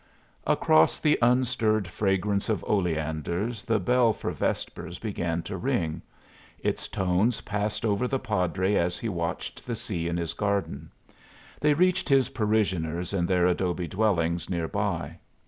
Across the unstirred fragrance of oleanders the bell for vespers began to ring. Its tones passed over the padre as he watched the sea in his garden. They reached his parishioners in their adobe dwellings near by.